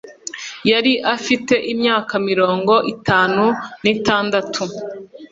yari afite imyaka mirongo itanu n'itandatu